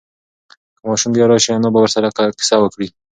که ماشوم بیا راشي، انا به ورسره قصه وکړي.